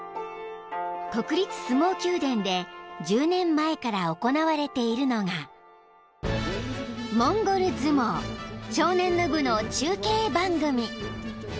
［国立相撲宮殿で１０年前から行われているのがモンゴル相撲少年の部の中継番組］